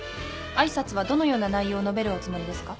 挨拶はどのような内容を述べるおつもりですか？